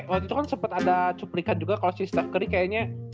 waktu itu kan sempet ada cuplikan juga kalau si steve kerr kayaknya